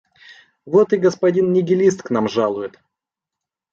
Вот и господин нигилист к нам жалует!